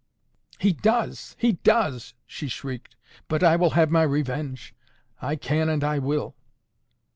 "He does! he does!" she shrieked; "but I will have my revenge. I can and I will."